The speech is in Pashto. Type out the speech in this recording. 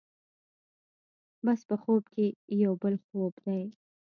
بس په خوب کې یو بل خوب دی.